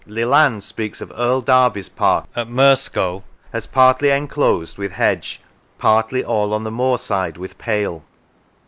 Leland speaks of Earl Derby's park at Myerscough as " partly enclosed with hedge, partly all on the moor side with pale."